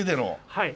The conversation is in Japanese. はい。